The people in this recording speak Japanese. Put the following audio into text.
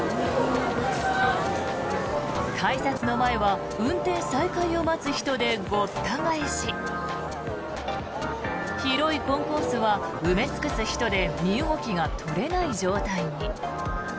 改札の前は運転再開を待つ人でごった返し広いコンコースは埋め尽くす人で身動きが取れない状態に。